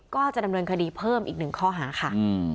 ก็จะดำเนินคดีเพิ่มอีกหนึ่งข้อหาค่ะ